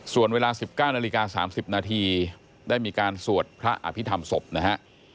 ส่วนเวลา๑๙นาฬิกา๓๐นาทีได้มีการสวดพระอภิษฐรรมศพนะฮะ